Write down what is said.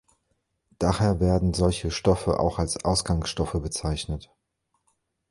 Daher werden solche Stoffe auch als Ausgangsstoffe bezeichnet.